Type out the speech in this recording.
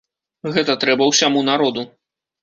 Гэта трэба ўсяму народу.